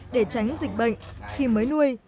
để tránh dịch bệnh khi mới nuôi